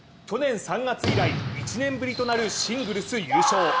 去年３月以来、１年ぶりとなるシングルス優勝。